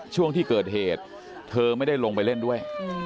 ช่วงที่เกิดเหตุเธอไม่ได้ลงไปเล่นด้วย